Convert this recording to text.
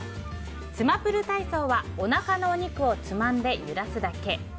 つまプル体操は、おなかのお肉をつまんで揺らすだけ。